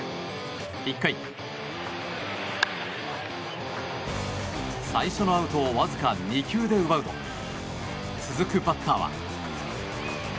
１回、最初のアウトをわずか２球で奪うと続くバッターは。